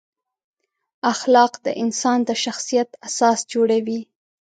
اخلاق د انسان د شخصیت اساس جوړوي.